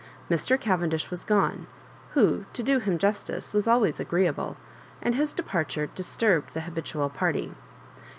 Mr. Cavendish was gone, who^ to do hun justice, was always agreeable, and his de parture disturbed the habitual party; and Mn.